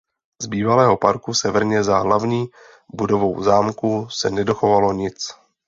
Z bývalého parku severně za hlavní budovou zámku se nedochovalo nic.